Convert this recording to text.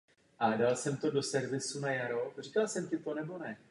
Jedná se o hlavní rudu rtuti.